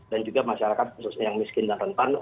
yang miskin dan rentan